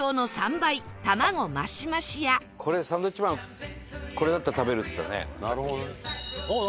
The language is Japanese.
これサンドウィッチマンこれだったら食べるっつってたねさっき。